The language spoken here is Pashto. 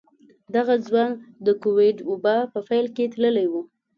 دغه ځوان د کوويډ وبا په پيل کې تللی و.